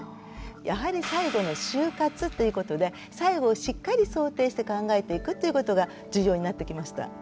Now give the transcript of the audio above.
やはり最後の終活ということで最後をしっかり想定して考えていくっていうことが重要になってきました。